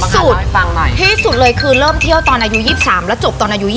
ที่สุดที่สุดเลยคือเริ่มเที่ยวตอนอายุ๒๓และจบตอนอายุ๒๕